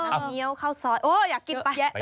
น้ำเงี๊ยวเข้าซอสโอ๊ยอยากกินไป